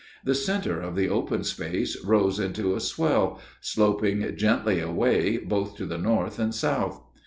The center of the open space rose into a swell, sloping gently away both to the north and south.